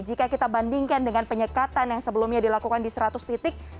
jika kita bandingkan dengan penyekatan yang sebelumnya dilakukan di seratus titik